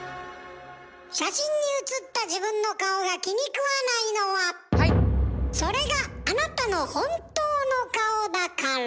写真にうつった自分の顔が気にくわないのはそれがあなたの本当の顔だから。